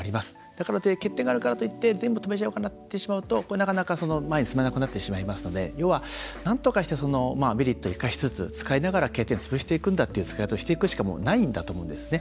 だからとはいえ欠点があるからといって全部止めちゃうかなってしまうとこれ、なかなか前に進めなくなってしまいますので要は、なんとかしてメリットを生かしつつ使いながら欠点をつぶしていくんだっていう使い方をしていくしかもう、ないんだと思うんですね。